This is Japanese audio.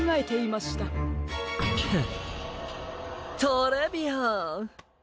トレビアン！